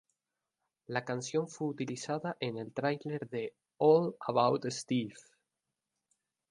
La canción fue utilizada en el trailer de "All About Steve".